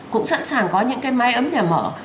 cũng sẵn sàng có những cái máy ấm nhà mở